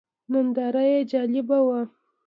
ننداره یې جالبه وه.